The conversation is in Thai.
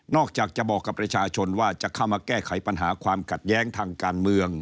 อกจากจะบอกกับประชาชนว่าจะเข้ามาแก้ไขปัญหาความขัดแย้งทางการเมือง